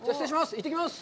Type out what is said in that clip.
行ってきます。